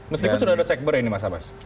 meskipun sudah ada sekber ini mas abbas